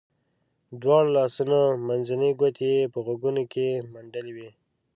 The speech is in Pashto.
دواړو لاسو منځنۍ ګوتې یې په غوږونو کې منډلې وې.